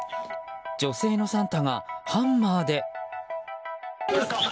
女性のサンタがハンマーで。